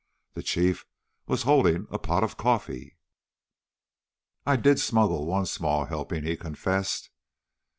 The Chief was holding a pot of coffee. "I did smuggle one small helping," he confessed.